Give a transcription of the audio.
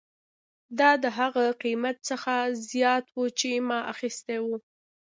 دا د هغه قیمت څخه زیات و چې ما اخیستی و